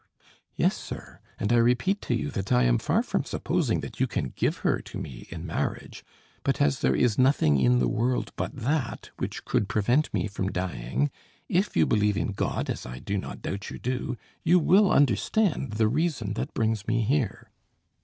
"Yes, sir, and I repeat to you, that I am far from supposing that you can give her to me in marriage; but as there is nothing in the world but that, which could prevent me from dying, if you believe in God, as I do not doubt you do, you will understand the reason that brings me here."